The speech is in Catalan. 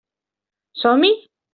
Som-hi?